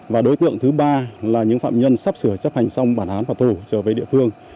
và đối tượng thứ ba là những phạm nhân sắp sửa chấp hành xong bản án phạt tù trở về địa phương